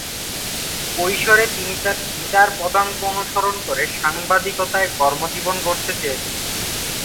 কৈশোরে তিনি তার পিতার পদাঙ্ক অনুসরণ করে সাংবাদিকতায় কর্মজীবন গড়তে চেয়েছিলেন।